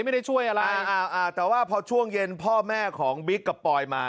ไม่ได้ช่วยอะไรอ่าอ่าแต่ว่าพอช่วงเย็นพ่อแม่ของบิ๊กกับปอยมา